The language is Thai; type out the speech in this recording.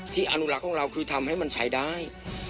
อนุรักษ์ของเราคือทำให้มันใช้ได้